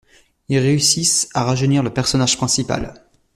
Ils réussissent à rajeunir le personnage principal.